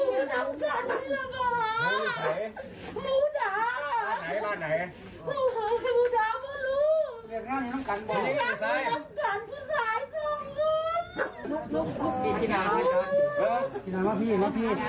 คือมาร่วมงานสวดอภิษธรรมในถ่ายคลิ๊ปเอาไว้ตอนที่ผู้หญิงเสื้อสีเหลืองเนี้ย